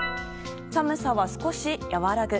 寒さは少しやわらぐ。